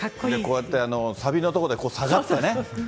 こうやってサビの所で下がってね。